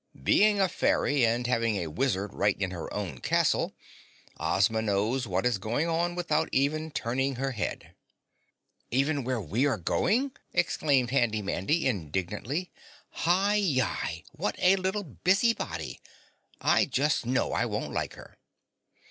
"Being a fairy and having a wizard right in her own castle, Ozma knows what is going on without even turning her head." "Even where we are going?" exclaimed Handy Mandy indignantly. "Hi yi what a little busy body. I just know I won't like her."